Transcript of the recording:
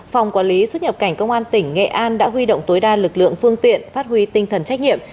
phòng quản lý xuất nhập cảnh công an tỉnh nghệ an đã huy động tối đa lực lượng phương tiện phát huy tinh thần trách nhiệm